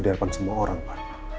di depan semua orang mba